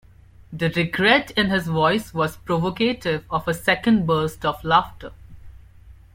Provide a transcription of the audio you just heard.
The regret in his voice was provocative of a second burst of laughter.